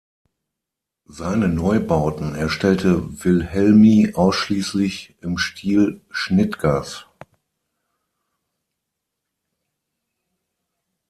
Seine Neubauten erstellte Wilhelmy ausschließlich im Stil Schnitgers.